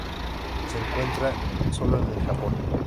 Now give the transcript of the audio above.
Se encuentra sólo en el Japón.